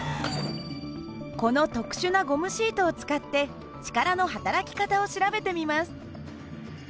この特殊なゴムシートを使って力のはたらき方を調べてみます。